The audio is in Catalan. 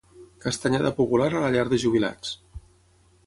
Castanyada popular a la Llar de Jubilats.